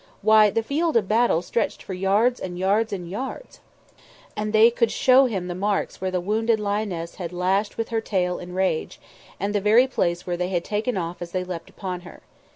Why, the field of battle stretched for yards and yards and yards. And they could show Him the marks where the wounded lioness had lashed with her tail in rage, and the very place where they had taken off as they leapt upon her.